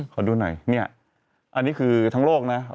ขอดูหน่อยเนี่ยอันนี้คือทั้งโลกนะ